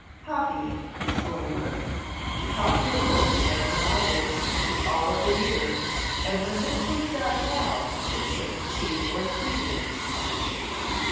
Cop3dng was slow work. To copy a book like the Bible took all of a year, and when this was done well it took two or three years.